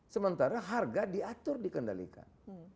sementara harga diatur dikendalikan